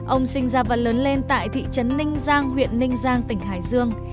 ông sinh ra và lớn lên tại thị trấn ninh giang huyện ninh giang tỉnh hải dương